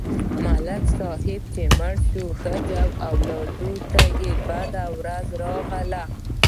ملک صاحب چې مړ شو، ښځه او اولادونه ته بده ورځ راغله.